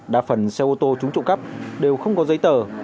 đa phần xe ô tô trúng trộm cắp đều không có giấy tờ